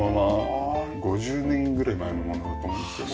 ５０年ぐらい前のものだと思うんですけど。